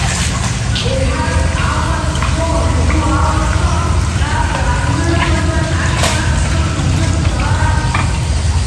Еиҳарак Аҟәантә игоу амҩаду ала дцон, нас дааҳәны ԥыҭрак ашьхарахь ихы рханы дцалар акәын.